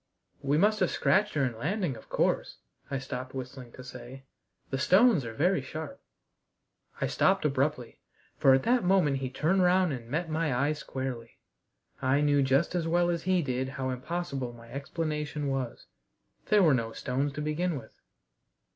"We must have scratched her in landing, of course," I stopped whistling to say, "The stones are very sharp " I stopped abruptly, for at that moment he turned round and met my eye squarely. I knew just as well as he did how impossible my explanation was. There were no stones, to begin with.